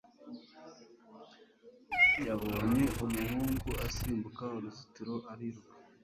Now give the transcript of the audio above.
Yabonye umuhungu asimbuka uruzitiro ariruka